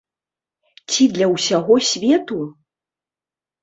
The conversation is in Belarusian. Ці для ўсяго свету?